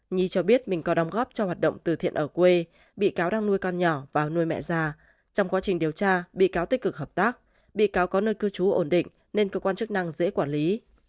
nhi cho biết mình có đóng góp cho hoạt động từ thiện ở quê bị cáo đang nuôi con nhỏ vào nuôi mẹ già trong quá trình điều tra bị cáo tích cực hợp tác bị cáo có nơi cư trú ổn định nên cơ quan chức năng dễ quản lý